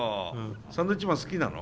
サンドウィッチマン好きなの？